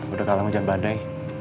udah kalang hujan badai